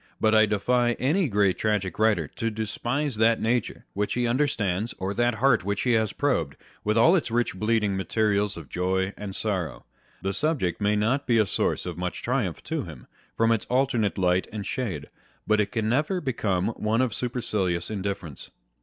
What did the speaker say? But I defy any great tragic writer to despise that nature which he understands, or that heart which he has probed, with all its rich bleeding materials of joy and sorrow. The subject may not be a source of much triumph to him, from its alternate light and shade, but it can never become one of supercilious indifference.